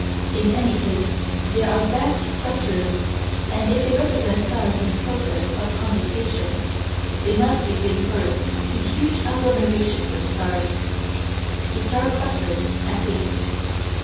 In any case they are vast structures, and if they represent stars in process of condensation, they must be giving birth to huge agglomerations of stars to star clusters at least.